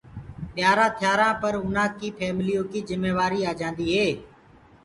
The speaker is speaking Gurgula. ٻيآرآ ٿيآرآ پر اُنآ ڪي ڦيمليو ڪي جِميوآري آجآندي هي۔